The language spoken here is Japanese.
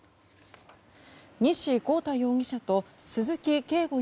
西康太容疑者と鈴木慶吾